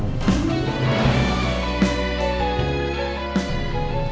jaga pikiran dan hati kamu